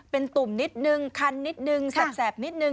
เป็นตุ่มนิดนึงคันนิดนึงแสบนิดนึง